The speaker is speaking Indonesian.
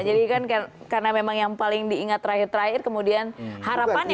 jadi kan karena memang yang paling diingat terakhir terakhir kemudian harapannya mungkin